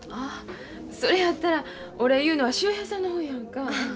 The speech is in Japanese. それやったらお礼を言うのは秀平さんの方やんか。